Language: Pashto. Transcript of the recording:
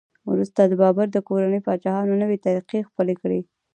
وروسته د بابر د کورنۍ پاچاهانو نوې طریقې خپلې کړې.